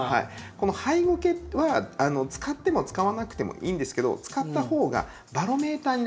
このハイゴケは使っても使わなくてもいいんですけど使ったほうがバロメーターになるんですね。